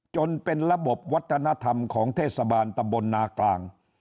จนเป็นระบบวัฒนธรรมของเทศบาลตำบลนากลาง